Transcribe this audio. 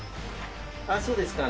あっそうですか。